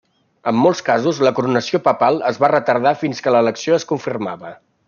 En molts casos, la coronació papal es va retardar fins que l'elecció es confirmava.